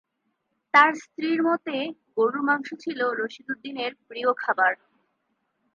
তাঁর স্ত্রীর মতে গরুর মাংস ছিল রশিদ উদ্দিনের প্রিয় খাবার।